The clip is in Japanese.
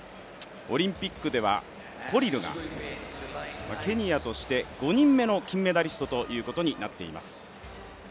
オリンピックではコリルが、ケニアとして５人目の金メダリストになっています。